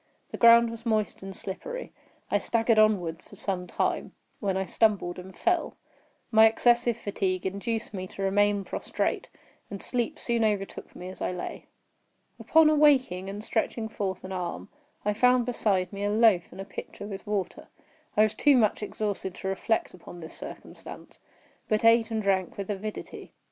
The ground was moist and slippery. I staggered onward for some time, when I stumbled and fell. My excessive fatigue induced me to remain prostrate; and sleep soon overtook me as I lay. Upon awaking, and stretching forth an arm, I found beside me a loaf and a pitcher with water. I was too much exhausted to reflect upon this circumstance, but ate and drank with avidity.